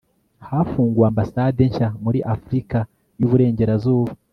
hafunguwe ambasade nshya, muri afrika y'uburengerazuba